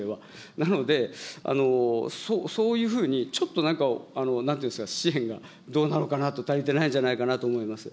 なので、そういうふうにちょっとなんか、なんていうんですか、支援がどうなのかな、足りてないんじゃないのかなと思います。